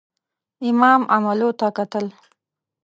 امام عملو ته کتل.